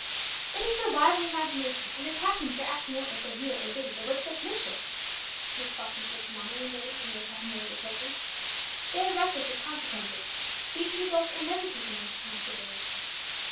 "It is their lively imagination, and their passion for acting out what they hear or read, that works such mischief," Miss Falkner said to Mona one day when they were talking over the children. "They are reckless of consequences. Future results are never taken into consideration."